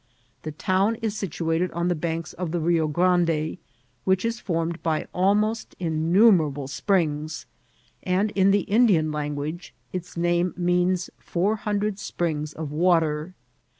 The town is situated on the banks of the Bio Ghrande, which is formed by almost* innumerable springs, and in the In dian language its name means four hundred springs of water.